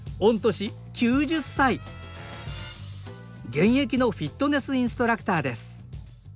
現役のフィットネスインストラクターです。